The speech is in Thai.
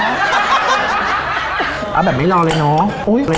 เอาแบบไม่รอเลยเนาะ